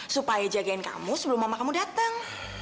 supaya jagain kamu sebelum mama kamu datang